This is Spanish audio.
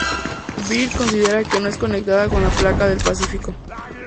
Bird considera que no es conectada con la placa del Pacífico.